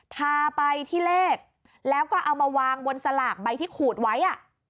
พาไปที่เลขแล้วก็เอามาวางบนสลากใบที่ขูดไว้